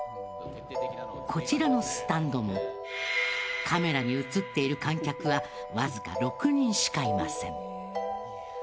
こちらのスタンドもカメラに映っている観客はわずか６人しかいません。